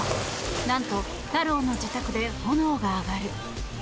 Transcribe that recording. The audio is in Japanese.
何と、太郎の自宅で炎が上がる！